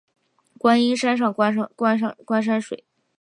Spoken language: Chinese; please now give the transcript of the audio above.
观音山上观山水